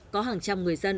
có hàng trăm người dân